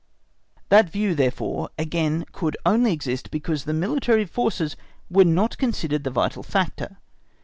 That view, therefore, again could only exist because the military forces were not considered the vital factor.